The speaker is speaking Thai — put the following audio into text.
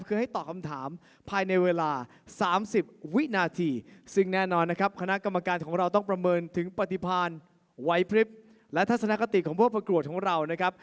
คือให้ตอบคำถามภายในเวลา๓๐วินาทีซึ่งแน่นอนนะครับคณะกรรมการของเราต้องประเมินถึงปฏิพันธ์ไว้พริบและทัศนคติของผู้ประกวดของเรานะครับ